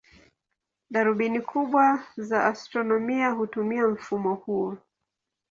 Darubini kubwa za astronomia hutumia mfumo huo.